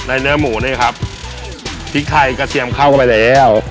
พริกไทยุ๋ยกระเทียมเข้าก็ไปแล้ว